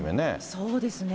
そうですね。